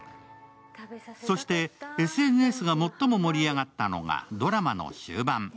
そしてＳＮＳが最も盛り上がったのがドラマの終盤。